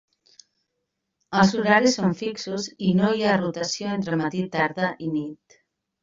Els horaris són fixos i no hi ha rotació entre matí, tarda i nit.